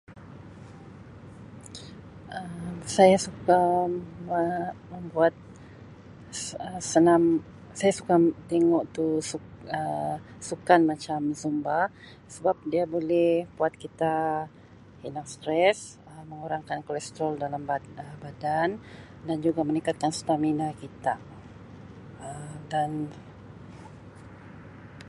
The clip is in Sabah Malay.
Um saya suka Um membuat se- Um senam, saya suka tengok tu suk-[Um] sukan macam zumba sebab dia boleh buat kita hilang stress Um mengurang kolestrol dalam ba-[Um] badan dan juga meningkatkan stamina kita Um dan.